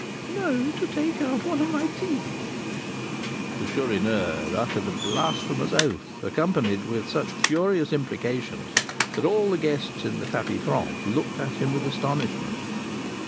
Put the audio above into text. "No; to take out one of my teeth." The Chourineur uttered a blasphemous oath, accompanied with such furious imprecations that all the guests in the tapis franc looked at him with astonishment.